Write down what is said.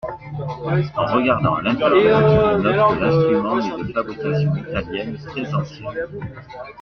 En regardant à l'intérieur, il note que l'instrument est de fabrication italienne, très ancienne.